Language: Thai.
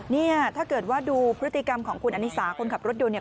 เนี่ยถ้าเกิดว่าดูพฤติกรรมของคุณอนิสาคนขับรถยนต์เนี่ย